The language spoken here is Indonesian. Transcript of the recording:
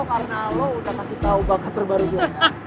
karena lo udah kasih tau bakat terbaru gue